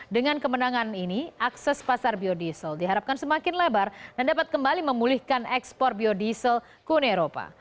dengan kemenangan ini akses pasar biodiesel diharapkan semakin lebar dan dapat kembali memulihkan ekspor biodiesel ke uni eropa